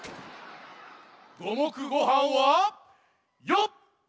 ごもくごはんはよっ！